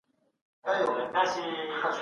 د انسان ژوند ارزښت لري.